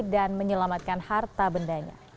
dan menyelamatkan harta bendanya